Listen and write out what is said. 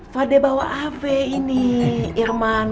fadil bawa aave ini irman